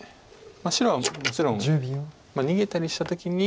白はもちろん逃げたりした時に。